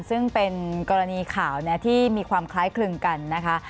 ซึ่งเป็นกรณีข่าวที่มีความคล้ายคลึงกันนะคะ